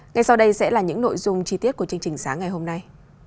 ngay sau đây sẽ là những nội dung chi tiết của chương trình sáng ngày hôm nay